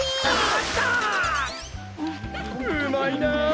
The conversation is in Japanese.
うまいな。